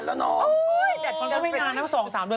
ไม่ใช่ทำม้าป่วย